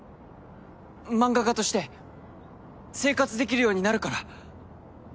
漫画家として生活できるようになるから。